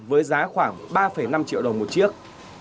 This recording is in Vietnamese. với giá khoảng ba năm triệu đồng một chiếc